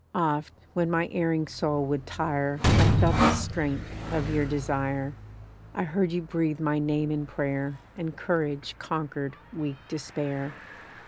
Oft when my erring soul would tire I felt the strength of your desire; I heard you breathe my name in prayer, And courage conquered weak despair.